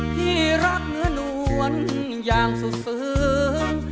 ที่รักเนื้อนวลอย่างสุดซึ้ง